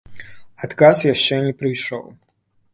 Адказ яшчэ не прыйшоў.